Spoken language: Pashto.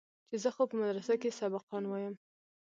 چې زه خو په مدرسه کښې سبقان وايم.